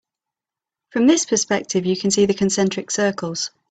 From this perspective you can see the concentric circles.